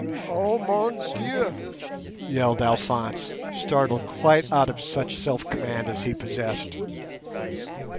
"Oh, mon Dieu!" yelled Alphonse, startled quite out of such self command as he possessed.